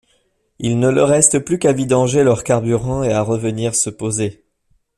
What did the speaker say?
Il ne leur reste plus qu’à vidanger leur carburant et à revenir se poser.